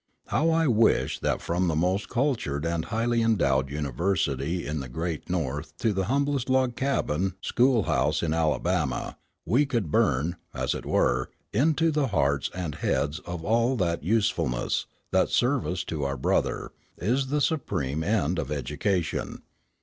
How I wish that from the most cultured and highly endowed university in the great North to the humblest log cabin school house in Alabama, we could burn, as it were, into the hearts and heads of all that usefulness, that service to our brother, is the supreme end of education.